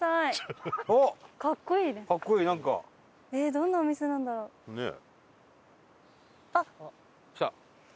どんなお店なんだろう？ねえ。